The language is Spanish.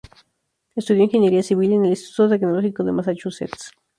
Estudió ingeniera civil en el Instituto Tecnológico de Massachusetts.